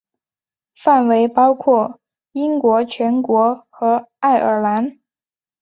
范围包括英国全国和爱尔兰。